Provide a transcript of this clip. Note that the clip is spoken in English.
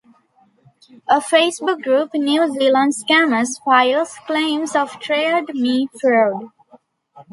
A Facebook Group New Zealand scammers files claims of Trade Me fraud.